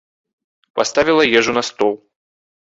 Паставіла ежу на стол.